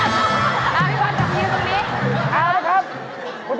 อ่าพี่บอลกลับที่นี่